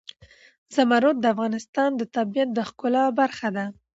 زمرد د افغانستان د طبیعت د ښکلا برخه ده.